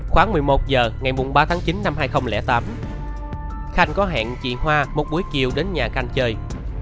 khoảng một mươi một h ngày ba tháng chín năm hai nghìn tám khanh có hẹn chị hoa một buổi chiều đến nhà khanh chơi